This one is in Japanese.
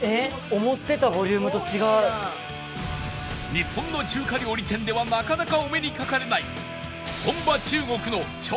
日本の中華料理店ではなかなかお目にかかれない本場中国の超デカ盛り